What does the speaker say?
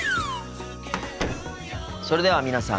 それでは皆さん